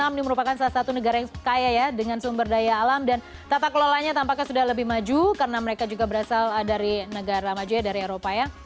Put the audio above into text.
ini merupakan salah satu negara yang kaya ya dengan sumber daya alam dan tata kelolanya tampaknya sudah lebih maju karena mereka juga berasal dari negara maju dari eropa ya